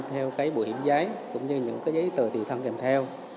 theo cái bảo hiểm giá cũng như những cái giấy tờ tùy thân kèm theo